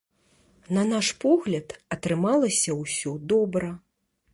На наш погляд, атрымалася ўсё добра.